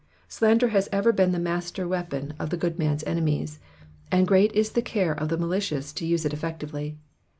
'*^ Slander has ever been the master weapon of the good man^s enemies, and great is the care of the malicious to use it effectively.